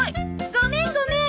ごめんごめん。